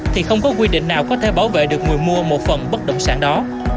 thì không có quy định nào có thể bảo vệ được người mua một phần bất động sản đó